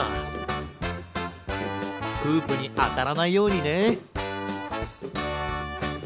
フープにあたらないようにね。